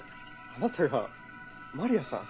あなたがマリアさん？